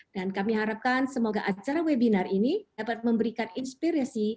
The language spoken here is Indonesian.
dan kami harapkan semoga acara webinar ini dapat memberikan inspirasi